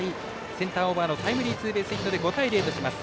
センターオーバーのタイムリーツーベースヒットで５対０とします。